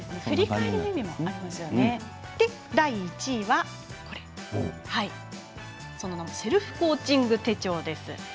そして第１位は「セルフコーチング手帳」です。